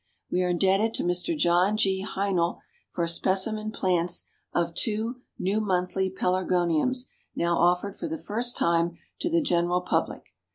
We are indebted to Mr. John G. Heinl for specimen plants of two "New Monthly Pelargoniums," now offered for the first time to the general public.